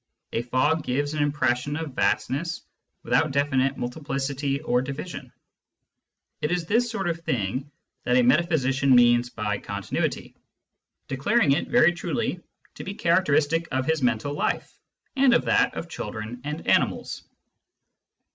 A fog gives an impression of vastness without definite multiplicity or division. It is this sort of thing that a meta physician means by " continuity," declaring it, very truly, to be characteristic of his mental life and of that of children and animals.